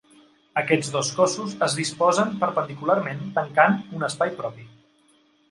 Aquests dos cossos es disposen perpendicularment tancant un espai propi.